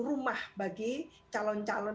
rumah bagi calon calon